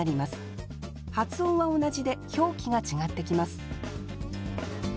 発音は同じで表記が違ってきます